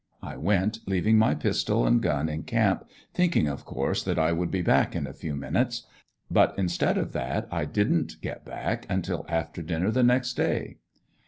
I went, leaving my pistol and gun in camp, thinking of course that I would be back in a few minutes. But instead of that I didn't get back until after dinner the next day.